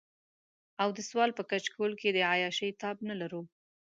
او د سوال په کچکول کې د عياشۍ تاب نه لرو.